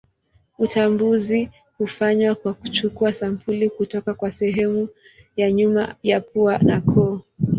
Utambuzi hufanywa kwa kuchukua sampuli kutoka kwa sehemu ya nyuma ya pua na koo.